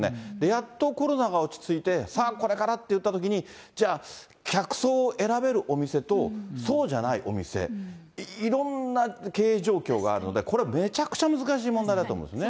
やっとコロナが落ち着いて、さあ、これからっていったときに、じゃあ、客層を選べるお店と、そうじゃないお店、いろんな経営状況があるので、これはめちゃくちゃ難しい問題だと思うんですね。